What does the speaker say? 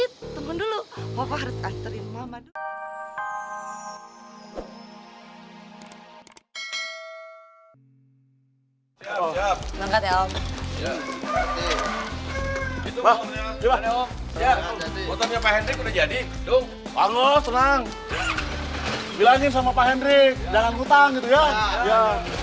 bilangin sama pak hendrik jangan hutang gitu ya